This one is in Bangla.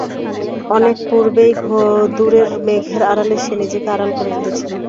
অনেক পূর্বেই দূরের মেঘের আড়ালে সে নিজেকে আড়াল করে ফেলেছিল।